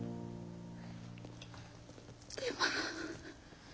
でも。